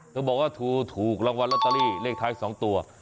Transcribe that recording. ต้องบอกว่าถูกรางวัลลัตตาลีเลขท้ายสองตัว